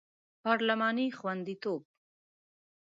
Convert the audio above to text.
پارلماني خوندیتوب